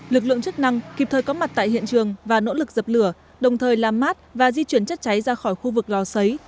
lực lượng chức năng kịp thời có mặt tại hiện trường và nỗ lực dập lửa đồng thời làm mát và di chuyển chất cháy ra khỏi khu vực lò xấy